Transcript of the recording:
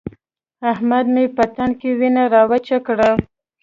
احمد مې په تن کې وينه راوچه کړه.